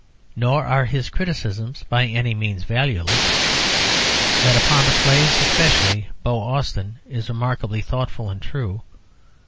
Nor are his criticisms by any means valueless. That upon the plays, especially "Beau Austin," is remarkably thoughtful and true.